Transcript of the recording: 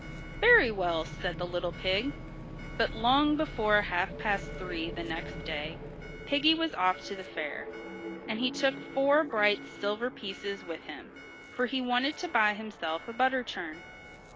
"Very well," said the little pig. But long before half past three the next day, piggy was off to the fair, and he took four bright silver pieces with him, for he wanted to buy himself a butter churn.